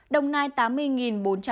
đồng nai tám mươi bốn trăm tám mươi chín